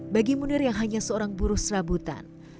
bagi munir yang hanya seorang buruh serabutan